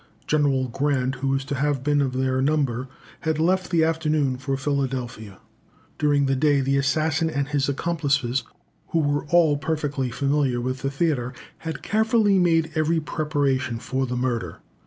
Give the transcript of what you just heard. General Grant, who was to have been of their number, had left that afternoon for Philadelphia. During the day, the assassin and his accomplices, who were all perfectly familiar with the theatre, had carefully made every preparation for the murder.